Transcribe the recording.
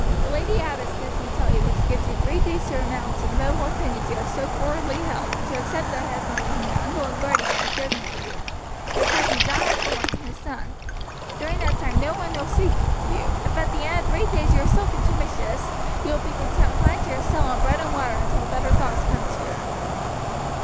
The lady abbess bids me tell you that she gives you three days to renounce the rebel opinions you have so frowardly held, and to accept the husband whom your uncle and guardian has chosen for you, your cousin John of Lorne, his son. During that time none will speak to you. If at the end of three days you are still contumacious you will be confined to your cell on bread and water until better thoughts come to you."